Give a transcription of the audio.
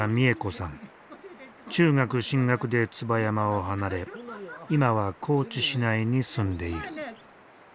中学進学で椿山を離れ今は高知市内に住んでいる。